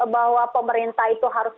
bahwa pemerintah itu harus